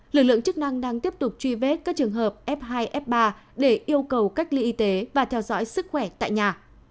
lực lượng chức năng đang tiếp tục truy vết các trường hợp f hai f ba để yêu cầu cách ly y tế và theo dõi sức khỏe tại nhà